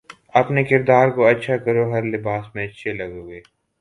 اپنے کردار کو اچھا کرو ہر لباس میں اچھے لگو گے